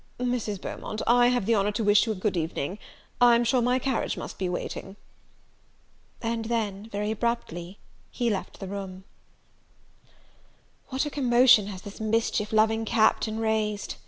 Mrs. Beaumont, I have the honour to wish you a good evening; I'm sure my carriage must be waiting." And then, very abruptly, he left the room. What a commotion has this mischief loving Captain raised!